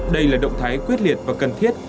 đây là động thái quyết liệt và cần thiết